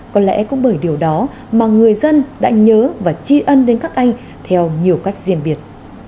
có lẽ cũng bởi điều đó mà người dân đã nhớ và chi ân đến các anh theo nhiều cách riêng biệt